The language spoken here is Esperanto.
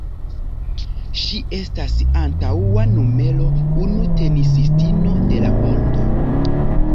Ŝi estas antaŭa numero unu tenisistino de la mondo.